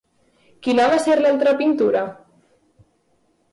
Quina va ser l'altra pintura?